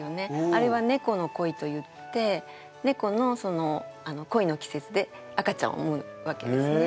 あれは猫の恋といって猫の恋の季節で赤ちゃんを産むわけですね。